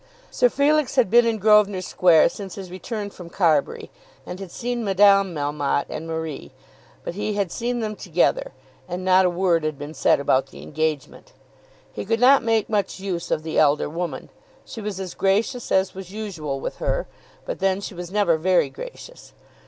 Sir Felix had been in Grosvenor Square since his return from Carbury, and had seen Madame Melmotte and Marie; but he had seen them together, and not a word had been said about the engagement. He could not make much use of the elder woman. She was as gracious as was usual with her; but then she was never very gracious.